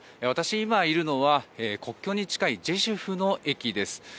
私が今いるのは国境に近いジェシュフの駅です。